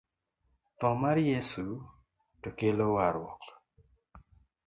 Tho mar Yeso no kelo warruok